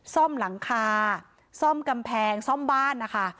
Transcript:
ซ่อมหลังคาซ่อมกำแพงซ่อมบ้านนะคะ